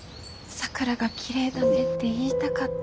桜がきれいだねって言いたかった。